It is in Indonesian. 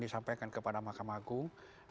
disampaikan kepada mahkamah agung